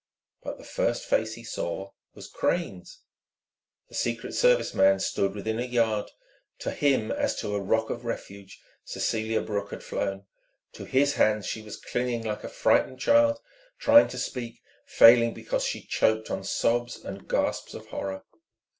But the first face he saw was Crane's. The Secret Service man stood within a yard. To him as to a rock of refuge Cecelia Brooke had flown, to his hand she was clinging like a frightened child, trying to speak, failing because she choked on sobs and gasps of horror.